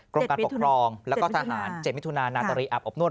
กรุงการปกครองและทหารเจ็ดมิถุนานาตรีอับอบนวด